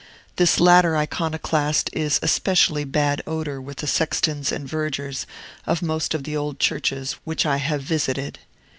This latter iconoclast is in especially bad odor with the sextons and vergers of most of the old churches which I have visited.